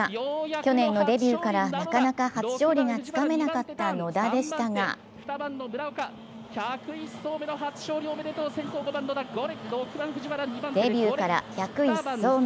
去年のデビューからなかなか初勝利がつかめなかった野田でしたがデビューから１０１走目。